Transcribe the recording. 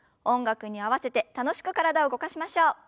音楽に合わせて楽しく体を動かしましょう。